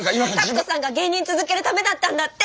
拓門さんが芸人続けるためだったんだって！